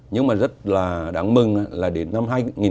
nhưng mà rất là đáng mừng là đến năm hai nghìn hai mươi